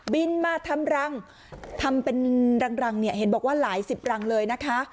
บินมาทำรังทำเป็นรังเนี่ยเห็นบอกว่าหลายสิบรังเลยนะคะ